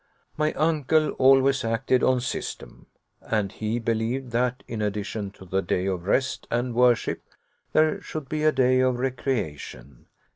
My uncle always acted on system, and he believed that, in addition to the day of rest and worship, there should be a day of recreation.